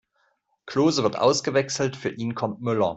Klose wird ausgewechselt, für ihn kommt Müller.